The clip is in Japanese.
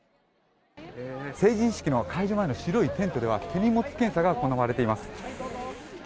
成人式の開始前の白いテントでは手荷物検査が行われています。